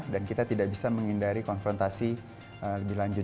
dan kita tidak bisa menghindari konfrontasi dilanjut